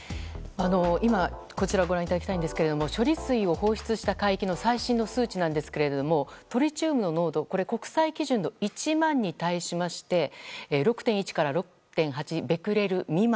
こちらをご覧いただきたいんですが処理水を放出した海域の最新の数値ですがトリチウムの濃度国際基準の１万に対して６．１から６．８ベクレル未満。